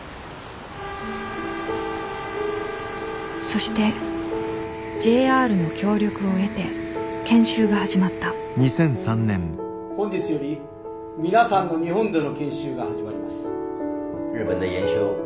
そしてＪＲの協力を得て研修が始まった本日より皆さんの日本での研修が始まります。